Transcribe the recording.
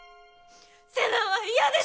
瀬名は嫌です！